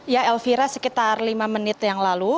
ya elvira sekitar lima menit yang lalu